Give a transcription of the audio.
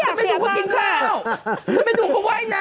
ฉันไม่ดูเขากินข้าวฉันไปดูเขาว่ายน้ำ